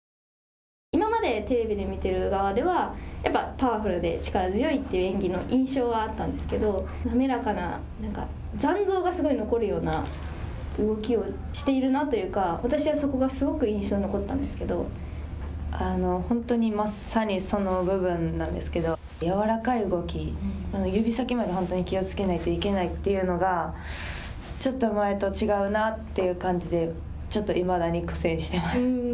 今までテレビで見ている側ではパワフルで、力強いという演技の印象はあったんですけど滑らかな残像がすごい残るような動きをしているなというか私はそこが本当にまさにその部分なんですけどやわらかい動き指先まで本当に気をつけないといけないというのがちょっと前と違うなという感じでちょっといまだに苦戦してます。